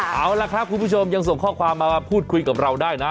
เอาล่ะครับคุณผู้ชมยังส่งข้อความมาพูดคุยกับเราได้นะ